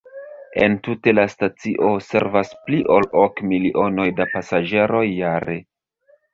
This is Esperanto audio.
Entute, la stacio servas pli ol ok milionoj da pasaĝeroj jare.